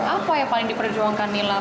apa yang paling diperjuangkan nila